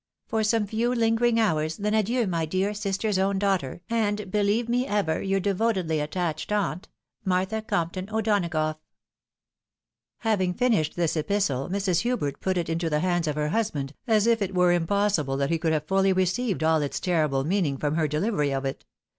For some few hngering hours, then, adieu, my dear sister's own daughter ! and beheve me ever your devotedly attached aunt, " Maetha Compton O'Donagough." Having finished this epistle, Mrs. Hubert put it into the hands of her husband, as if it were imposssible that he could have fully received all its terrible meaning from her delivery of it.